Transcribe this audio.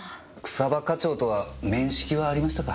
草葉課長とは面識はありましたか？